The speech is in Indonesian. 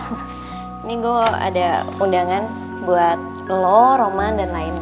ini gue ada undangan buat lo roman dan lain lain